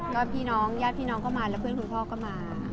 ก็พี่น้องญาติพี่น้องก็มาแล้วเพื่อนคุณพ่อก็มา